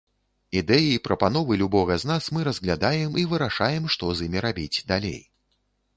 Ідэі, прапановы любога з нас мы разглядаем і вырашаем, што з імі рабіць далей.